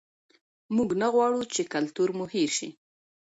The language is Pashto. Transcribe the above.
موږ نه غواړو چې کلتور مو هېر شي.